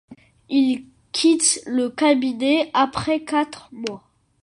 Il quitte le cabinet après quatre mois.